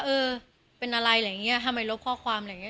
เออเป็นอะไรอะไรอย่างนี้ทำไมลบข้อความอะไรอย่างนี้